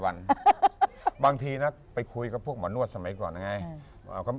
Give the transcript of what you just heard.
หัวหน้าก็บอกว่าอ่านักร้องใหม่ร้อง